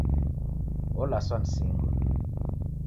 Olaswa ni singo.